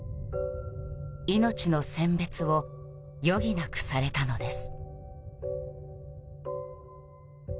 命の選別を余儀なくされたのです。